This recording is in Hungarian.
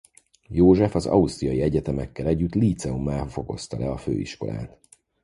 József az ausztriai egyetemekkel együtt líceummá fokozta le a főiskolát.